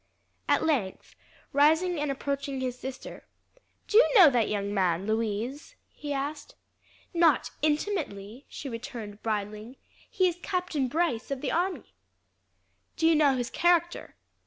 At length, rising and approaching his sister, "Do you know that young man, Louise?" he asked. "Not intimately," she returned, bridling. "He is Captain Brice of the army." "Do you know his character?"